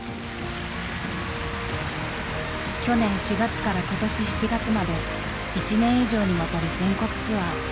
去年４月から今年７月まで１年以上にわたる全国ツアー。